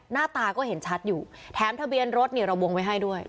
หน้าตาก็เห็นชัดอยู่แถมทะเบียนรถนี่เราวงไว้ให้ด้วย